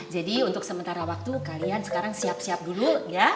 jadi untuk sementara waktu kalian sekarang siap siap dulu ya